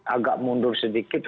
agak mundur sedikit